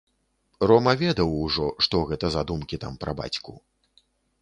Рома ведаў ужо, што гэта за думкі там пра бацьку.